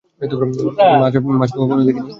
মাছ তো কখনো দেখিনি।